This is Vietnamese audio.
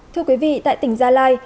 thưa quý vị tại tỉnh gia lai